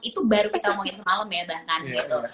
itu baru kita omongin semalam ya bahkan gitu